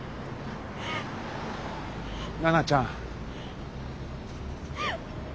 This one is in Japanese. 奈々ちゃん。